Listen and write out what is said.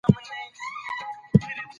که پوهه نه وي نو تعبیرونه به غلط وي.